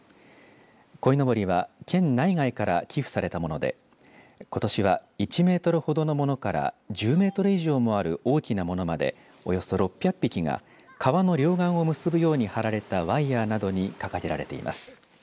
こいのぼりは県内外から寄付されたものでことしは１メートルほどのものから１０メートル以上もある大きなものまでおよそ６００匹が川の両岸を結ぶように張られたワイヤーなどに掲げられています。